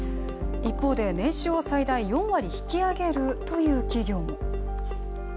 一方で、年収を最大４割引き上げるという企業も。